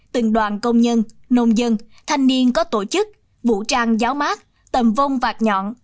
từng đoàn công nhân nông dân thanh niên có tổ chức vũ trang giáo mát tầm vông vạt nhọn